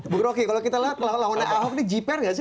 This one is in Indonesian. bung roky kalau kita lihat lawan lawannya ahok ini jiper gak sih